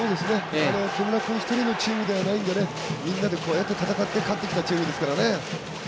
木村君一人のチームではないんでみんなで戦って勝ってきたチームですからね。